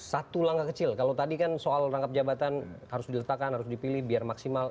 satu langkah kecil kalau tadi kan soal rangkap jabatan harus diletakkan harus dipilih biar maksimal